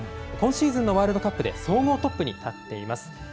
今シーズンのワールドカップで総合トップに立っています。